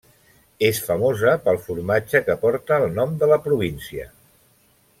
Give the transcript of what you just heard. És famosa pel formatge que porta el nom de la província.